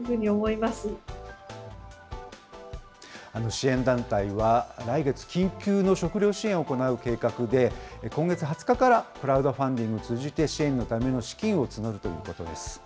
支援団体は、来月、緊急の食料支援を行う計画で、今月２０日から、クラウドファンディングを通じて、支援のための資金を募るということです。